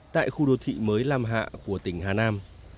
tại khu đô thị mới lam hạ của tỉnh hà nam